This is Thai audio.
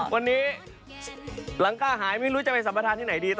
วันนี้หลังค่าหายไม่รู้จะไปสัมประธานที่ไหนดี